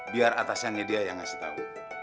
biar atasannya dia yang ngasih tahu